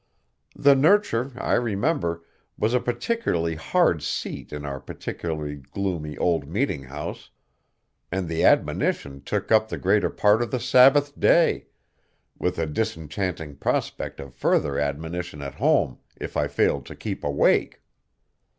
The nurture, I remember, was a particularly hard seat in our particularly gloomy old meetinghouse, and the admonition took up the greater part of the Sabbath day, with a disenchanting prospect of further admonition at home if I failed to keep awake.